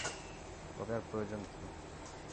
তবে আর প্রয়োজন কী?